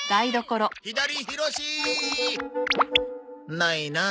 ないなあ。